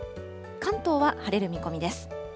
関東は晴れる見込みです。